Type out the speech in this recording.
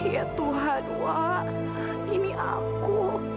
ya tuhan dua ini aku